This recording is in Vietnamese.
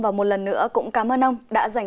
và một lần nữa cũng cảm ơn ông đã dành